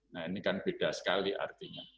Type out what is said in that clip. nah ini kan beda sekali artinya